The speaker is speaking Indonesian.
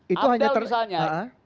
itu hanya tersanya